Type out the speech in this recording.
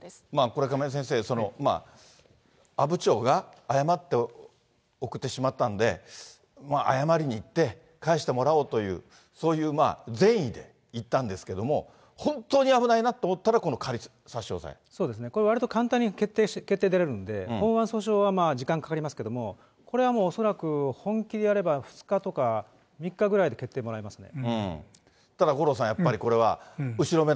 これ、亀井先生、阿武町が誤って送ってしまったんで、謝りに行って、返してもらおうという、そういう善意で行ったんですけれども、本当に危ないなと思ったら、そうですね、これ、わりと簡単に決定出れるんで、ほうあん訴訟は時間かかりますけれども、これはもう恐らく本気でやれば、２日とか３日ぐらいで決定もらえますね。